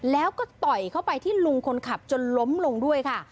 แล้วก็ต่อยเข้าไปที่ลุงคนขับจนล้มลงด้วยค่ะ